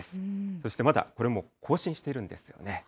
そしてまだこれも更新しているんですよね。